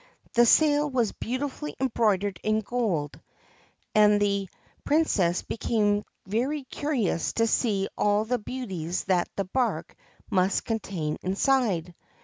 The sail was beautifully embroidered in gold, and the 132 THE GREEN SERPENT Princess became very curious to see all the beauties that the barque must contain inside.